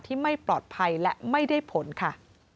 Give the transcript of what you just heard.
ไม่ปลอดภัยและไม่ได้ผลค่ะ